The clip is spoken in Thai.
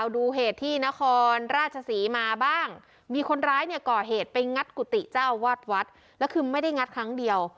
ดูเหตุที่นครราชศรีมาบ้างมีคนร้ายเนี่ยก่อเหตุไปงัดกุฏิเจ้าวาดวัดแล้วคือไม่ได้งัดครั้งเดียว